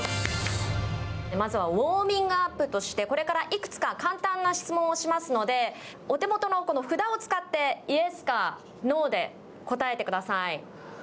まずはウォーミングアップとしてこれからいくつか簡単な質問をしますので、お手元の札を使ってイエスかノーで答えてください。